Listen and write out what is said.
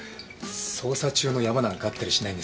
捜査中の事件なんかあったりしないんですか？